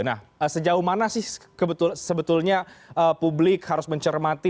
nah sejauh mana sih sebetulnya publik harus mencermati